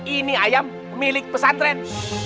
ini ayam milik pesatren